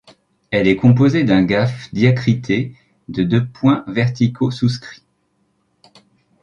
Elle est composée d’un gāf diacrité de deux points verticaux souscrits.